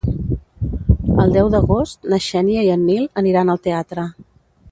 El deu d'agost na Xènia i en Nil aniran al teatre.